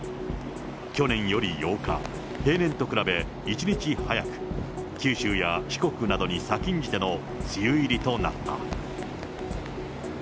去年より８日、平年と比べ１日早く、九州や四国などに先んじての梅雨入りとなった。